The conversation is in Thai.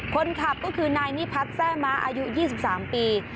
คนขับก็คือนายนี่พักแทร่ม้าอายุ๒๓ปี